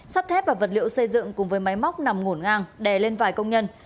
sắt thép và vật liệu xây dựng cùng với máy móc nằm ngổn ngang đè lên vài công nhân